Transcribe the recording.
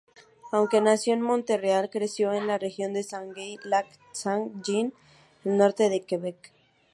Aunque nació en Montreal, creció en la región de Saguenay-Lac-Saint-Jean al norte de Quebec.